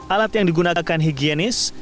alat yang digunakan higienis